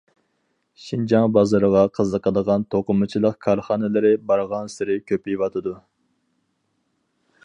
شىنجاڭ بازىرىغا قىزىقىدىغان توقۇمىچىلىق كارخانىلىرى بارغانسېرى كۆپىيىۋاتىدۇ.